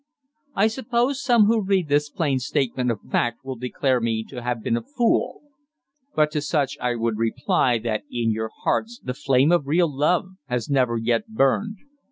I suppose some who read this plain statement of fact will declare me to have been a fool. But to such I would reply that in your hearts the flame of real love has never yet burned.